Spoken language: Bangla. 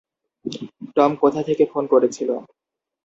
টম কোথা থেকে ফোন করেছিল?